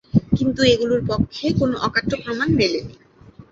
কিন্তু এগুলোর পক্ষে কোনো অকাট্য প্রমাণ মেলেনি।